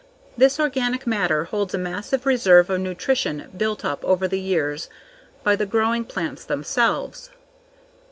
This organic matter holds a massive reserve of nutrition built up over the years by the growing plants themselves.